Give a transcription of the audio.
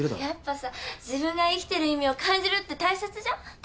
やっぱさ自分が生きてる意味を感じるって大切じゃん？